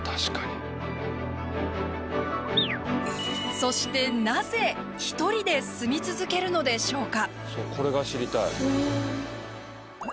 そしてなぜ１人で住み続けるのでしょうか？